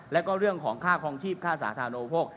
แล้วก็เรื่องของค่าคลองชีพค่าสาธารณูโภค